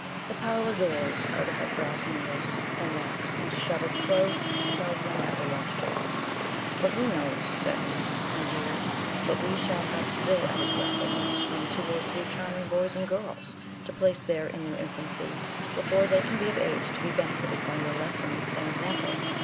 The parlour doors are to have brass hinges and locks, and to shut as close, he tells them, as a watch case: "For who knows," said he, "my dear, but we shall have still added blessings, in two or three charming boys and girls, to place there in their infancy, before they can be of age to be benefited by your lessons and example?